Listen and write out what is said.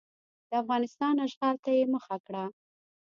د افغانستان اشغال ته یې مخه کړه.